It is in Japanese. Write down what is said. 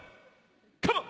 カモン！